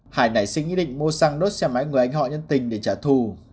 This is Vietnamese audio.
hải nảy sinh ý định mua xăng đốt xe máy người anh họ nhân tình để trả thù